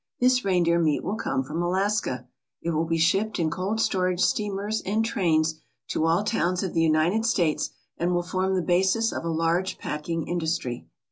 This reindeer meat will come from Alaska. It will be shipped in cold storage steamers and trains to all towns of the United States and will form the basis of a large packing industry.